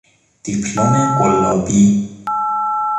دیپلم قلابی